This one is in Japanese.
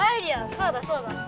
そうだそうだ！